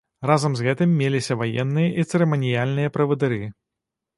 Разам з гэтым, меліся ваенныя і цырыманіяльныя правадыры.